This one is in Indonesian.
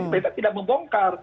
pt tidak membongkar